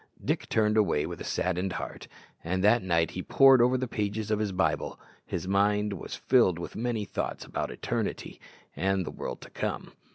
Dick turned away with a saddened heart; and that night, as he pored over the pages of his Bible, his mind was filled with many thoughts about eternity and the world to come.